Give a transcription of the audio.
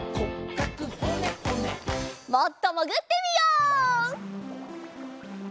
もっともぐってみよう！